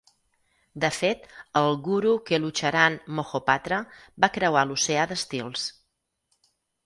De fet, el Guru Kelucharan Mohapatra va creuar l'oceà d'estils.